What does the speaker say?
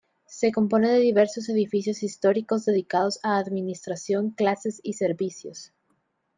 Se compone de diversos edificios históricos dedicados a administración, clases y servicios.